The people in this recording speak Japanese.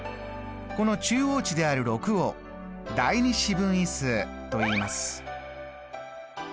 この中央値である６を第２四分位数といいます。